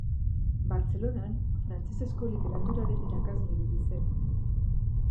Bartzelonan frantsesezko literaturaren irakasle ibili zen.